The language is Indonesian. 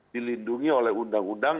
dilindungi oleh undang undang